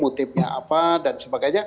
motifnya apa dan sebagainya